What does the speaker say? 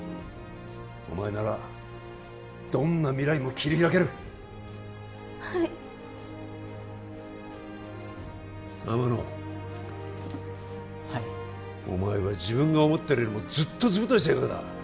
お前ならどんな未来も切り開けるはい天野はいお前は自分が思ってるよりもずっとずぶとい性格だ